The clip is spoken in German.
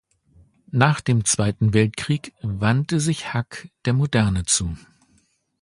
Nach dem Zweiten Weltkrieg wandte sich Hack der Moderne zu.